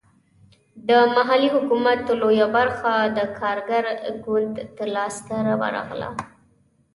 د محلي حکومت لویه برخه د کارګر ګوند لاسته ورغله.